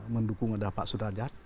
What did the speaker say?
mendukung ada pak sudrajat